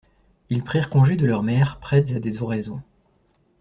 Ils prirent congé de leurs mères prêtes à des oraisons.